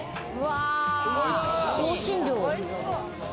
香辛料。